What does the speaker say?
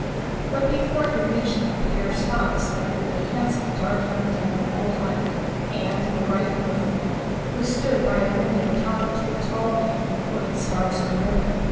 But before he reached them Pierre stopped beside a very handsome, dark man of middle height, and in a white uniform, who stood by a window talking to a tall man wearing stars and a ribbon.